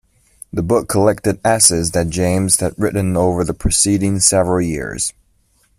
The book collected essays that James had written over the preceding several years.